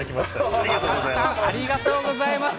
ありがとうございます。